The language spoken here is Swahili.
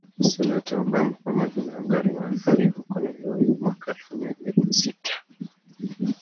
Seneta Obama pamoja na Wangari Maathai huko Nairobi mwaka elfu mbili na sita